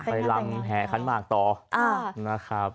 ไปลำแห่ขันหมากต่อนะครับ